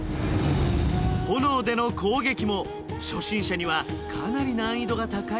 炎での攻撃も初心者にはかなり難易度が高い